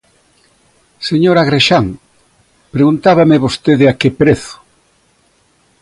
Señor Agrexán, preguntábame vostede a que prezo.